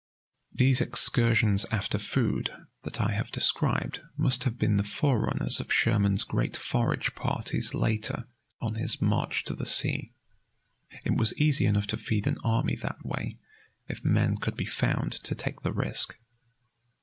These excursions after food that I have described must have been the forerunners of Sherman's great forage parties later, on his "march to the sea." It was easy enough to feed an army that way, if men could be found to take the risk.